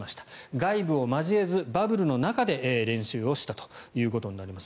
外部を交えずバブルの中で練習したということになります。